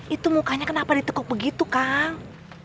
itu mukanya kenapa ditekuk begitu kang